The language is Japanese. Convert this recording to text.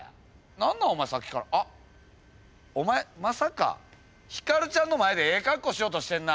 何なんお前さっきからあっお前まさかヒカルちゃんの前でええかっこしようとしてんな。